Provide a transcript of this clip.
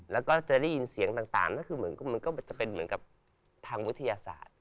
แล้วก็จะได้ยินเสียงต่างก็คือเหมือนมันก็จะเป็นเหมือนกับทางวิทยาศาสตร์